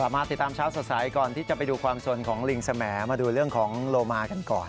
มาติดตามเช้าสดใสก่อนที่จะไปดูความสนของลิงแสมมาดูเรื่องของโลมากันก่อน